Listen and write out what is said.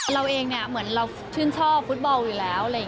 เราเองเนี่ยเหมือนเราชื่นชอบฟุตบอลอยู่แล้ว